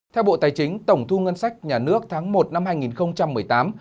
theo bộ tài chính tổng thu ngân sách nhà nước tháng một năm hai nghìn một mươi tám